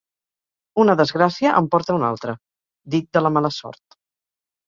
"Una desgràcia en porta una altra" (dit de la mala sort).